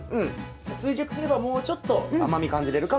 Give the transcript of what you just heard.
追熟すればもうちょっと甘み感じれるかもしれない。